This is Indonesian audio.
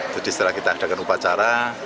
jadi setelah kita adakan upacara